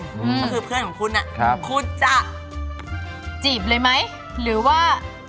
ก็คือเพื่อนของคุณอ่ะครับคุณจะจีบเลยไหมหรือว่า